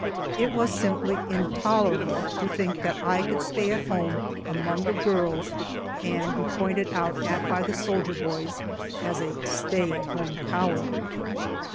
It was simply intolerable to think that I could stay at home, among the girls, and be pointed at by the soldier boys as a stay at home coward.